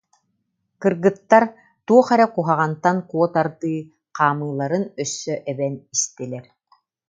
Кыргыттар, туох эрэ куһаҕантан куотардыы, хаамыыларын өссө эбэн истилэр